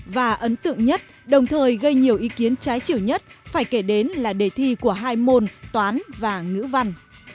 và ấn tượng nhất đồng thời gây nhiều ý kiến trái chiều nhất phải kể đến là đề thi của hai môn toán và ngữ văn